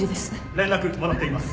連絡もらっています。